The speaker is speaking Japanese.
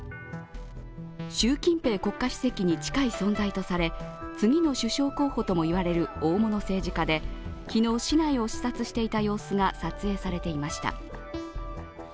習近平国家主席に近い存在とされ次の首相候補ともいわれる大物政治家で昨日、市内を視察していた様子が撮影されていました。